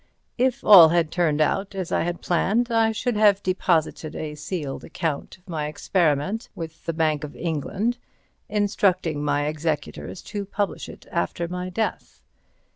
If all had turned out as I had planned, I should have deposited a sealed account of my experiment with the Bank of England, instructing my executors to publish it after my death.